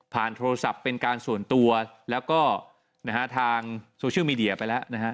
ผ่านโทรศัพท์เป็นการส่วนตัวแล้วก็ทางโซเชียลมีเดียไปแล้ว